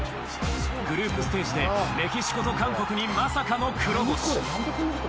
グループステージでメキシコと韓国にまさかの黒星。